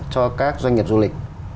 cho các doanh nghiệp du lịch